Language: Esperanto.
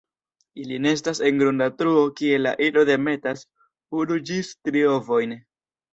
Ili nestas en grunda truo kie la ino demetas unu ĝis tri ovojn.